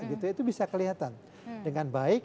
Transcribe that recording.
itu bisa kelihatan dengan baik